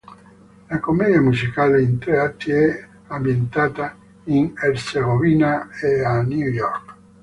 La commedia musicale in tre atti è ambientata in Erzegovina e a New York.